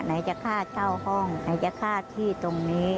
ไหนจะค่าเช่าห้องไหนจะฆ่าที่ตรงนี้